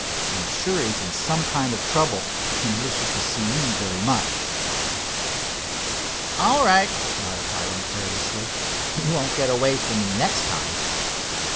I am sure he is in some kind of trouble, and wishes to see me very much." "All right," nodded Hiram, carelessly. "He won't get away from me next time."